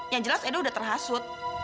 yang jelas edo sudah terhasut